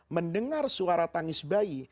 mendengar suara tangis bayi